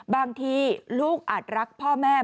บางทีลูกอาจรักพ่อแม่